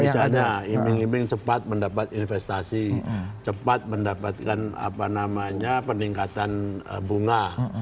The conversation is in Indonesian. misalnya iming iming cepat mendapat investasi cepat mendapatkan apa namanya peningkatan bunga